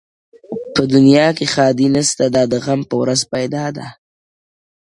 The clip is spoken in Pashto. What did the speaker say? په دنیا کي ښادي نسته دا د غم په ورځ پیدا ده!.